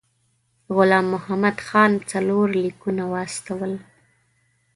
غلام محمد خان څلور لیکونه واستول.